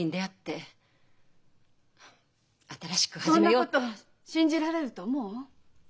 そんなこと信じられると思う？